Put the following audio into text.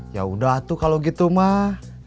yaudah tuh kalau gitu mah